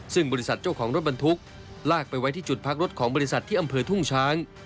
ซึ่งบริษัทเจ้าของรถบรรทุกลากไปไว้ที่จุดพักรถของบริษัทที่อำเภอทุ่งช้าง